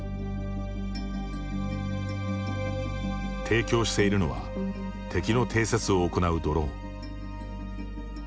提供しているのは敵の偵察を行うドローン。